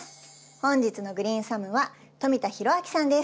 本日のグリーンサムは富田裕明さんです。